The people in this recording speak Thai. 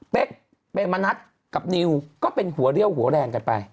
เปรมนัดกับนิวก็เป็นหัวเรี่ยวหัวแรงกันไป